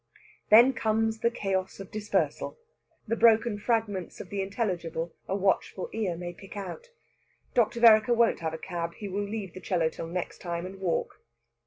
Then comes the chaos of dispersal the broken fragments of the intelligible a watchful ear may pick out. Dr. Vereker won't have a cab; he will leave the 'cello till next time, and walk.